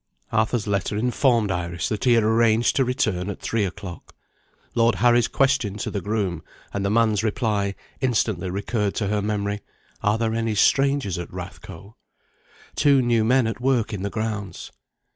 Arthur's letter informed Iris that he had arranged to return at three o'clock. Lord Harry's question to the groom, and the man's reply, instantly recurred to her memory: "Are there any strangers at Rathco?" "Two new men at work in the grounds."